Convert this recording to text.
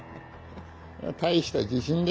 大した自信だ。